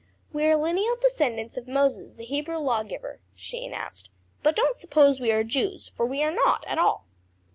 "We are lineal descendants of Moses, the Hebrew Lawgiver," she announced. "But don't suppose we are Jews, for we are not at all."